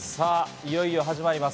いよいよ始まります。